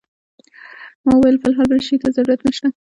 ما وویل فی الحال بل شي ته ضرورت نه شته.